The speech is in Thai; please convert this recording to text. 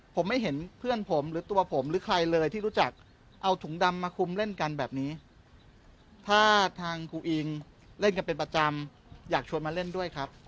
อย่างคะเป็นเพื่อนผมหรือตัวผมหรือใครเลยที่รู้จัก